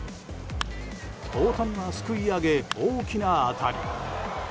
大谷がすくい上げ大きな当たり。